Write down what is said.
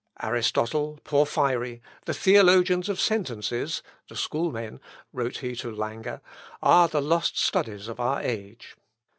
"Aristotle, Porphyry, the theologians of sentences," (the schoolmen,) wrote he to Lange, "are the lost studies of our age.